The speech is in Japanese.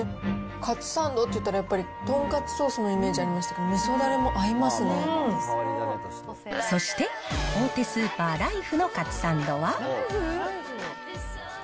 カツサンドっていったら、やっぱり豚カツソースのイメージありましたけど、みそだれも合いそして、大手スーパー、ライフのカツサンドは。